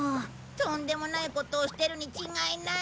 とんでもないことをしてるに違いない。